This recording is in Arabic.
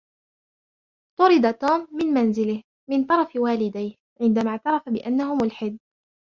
طُرد توم من منزله من طرف والديه عندما اعترف بأنه ملحد.